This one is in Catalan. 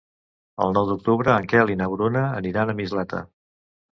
El nou d'octubre en Quel i na Bruna aniran a Mislata.